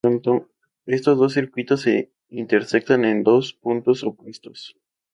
Estos dos círculos se intersecan en dos puntos opuestos.